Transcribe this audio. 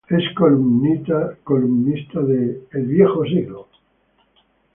Es columnista de El Nuevo Siglo.